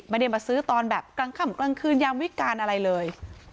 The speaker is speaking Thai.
ไม่ได้มาซื้อตอนแบบกลางค่ำกลางคืนยามวิการอะไรเลย